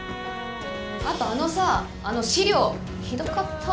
あとあのさあの資料ひどかった。